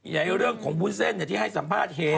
ในเรื่องของวุ้นเส้นที่ให้สัมภาษณ์เห็น